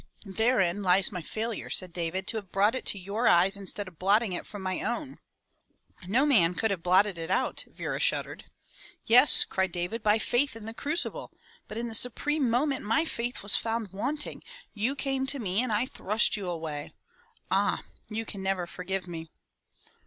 "There lies my failure," said David. 'To have brought it to your eyes instead of blotting it from my own." "No man could have blotted it out." Vera shuddered. "Yes," cried David, "by faith in the crucible. But in the supreme moment, my faith was found wanting. You came to me and I thrust you away. Ah! you can never forgive me."